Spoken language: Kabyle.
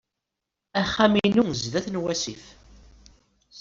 Axxam-inu sdat n wasif.